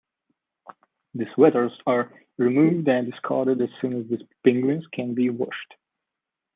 The sweaters are removed and discarded as soon as the penguins can be washed.